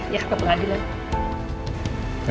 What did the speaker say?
ya ke pengadilan